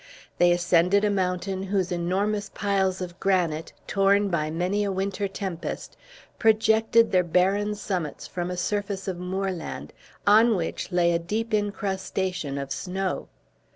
They ascended a mountain, whose enormous piles of granite, torn by many a winter tempest, projected their barren summits from a surface of moorland, on which lay a deep incrustation of snow.